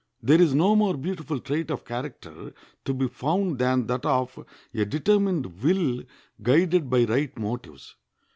There is no more beautiful trait of character to be found than that of a determined will guided by right motives.